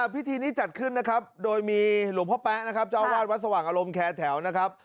พิธีนี้จัดขึ้นนะครับโดยมีหลวงพ่อแป๊ะนะครับเจ้าวาดวัดสว่างอารมณ์แคร์แถวนะครับ